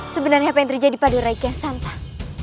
sebenarnya apa yang terjadi pada raiq yang santah